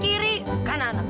kamu berdua kanan